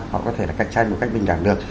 họ có thể là cạnh tranh một cách bình đẳng được